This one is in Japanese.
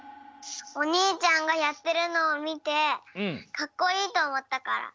おにいちゃんがやってるのをみてカッコいいとおもったから！